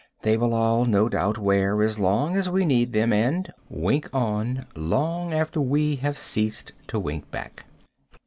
They will all no doubt wear as long as we need them, and wink on long after we have ceased to wink back.